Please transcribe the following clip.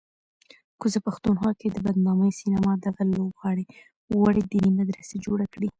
کوزه پښتونخوا کې د بدنامې سینما دغه لوبغاړی غواړي دیني مدرسه جوړه کړي